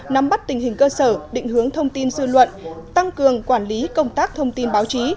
nắm bắt tình hình cơ sở định hướng thông tin dư luận tăng cường quản lý công tác thông tin báo chí